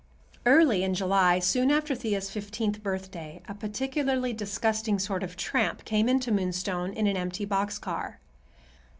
Early in July, soon after Thea's fifteenth birthday, a particularly disgusting sort of tramp came into Moonstone in an empty box car.